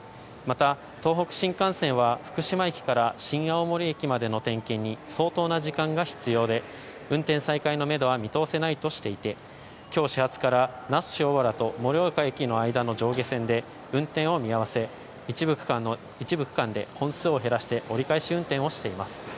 また東北新幹線は福島駅から新青森駅までの点検に相当な時間が必要で運転再開のめどは見通せないとしていて、今日、始発から那須塩原と盛岡駅の間の上下線で運転を見合わせ一部区間で本数を減らして折り返し運転をしています。